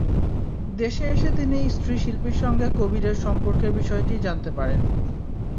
দেশে এসে তিনি স্ত্রী শিল্পীর সঙ্গে কবিরের সম্পর্কের বিষয়টি জানতে পারেন।